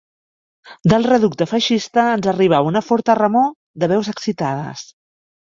Del reducte feixista ens arribava una forta remor de veus excitades.